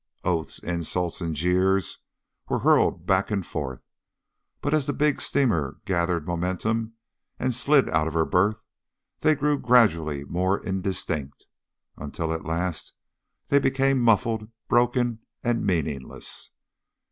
Oaths, insults, and jeers were hurled back and forth; but as the big steamer gathered momentum and slid out of her berth, they grew gradually more indistinct, until at last they became muffled, broken, and meaningless.